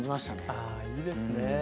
あいいですね。